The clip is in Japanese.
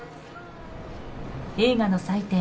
映画の祭典